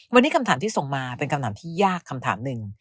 วันนี้คำถามที่ส่งมาเป็นคำถามที่ยากคำถามหนึ่ง